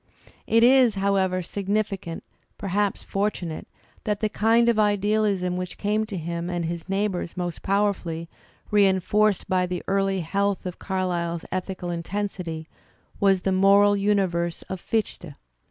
It is, however, significant, perhaps fortunate, that the kind of idealism which came to him and his neigh bours most powerfully, reinforced by the early health of ^ Carlyle's ethical intensity, was the moral universe of Fichte.